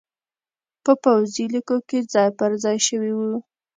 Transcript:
په پوځي لیکو کې ځای پرځای شوي وو